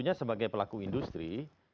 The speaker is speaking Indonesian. nya sebagai pelaku industri